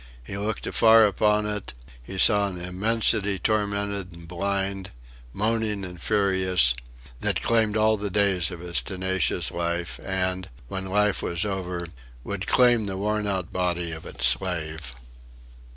He looked afar upon it, and he saw an immensity tormented and blind, moaning and furious, that claimed all the days of his tenacious life, and, when life was over, would claim the worn out body of its slave....